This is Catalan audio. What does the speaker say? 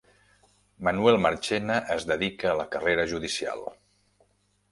Manuel Marchena es dedica a la carrera judicial